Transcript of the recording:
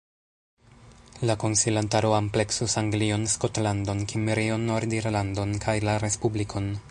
La konsilantaro ampleksus Anglion, Skotlandon, Kimrion, Nord-Irlandon kaj la Respublikon.